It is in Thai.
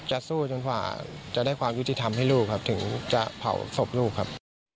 จะสู้จนกว่าจะได้ความยุติธรรมให้ลูกครับถึงจะเผาศพลูกครับ